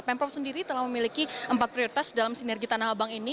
pemprov sendiri telah memiliki empat prioritas dalam sinergi tanah abang ini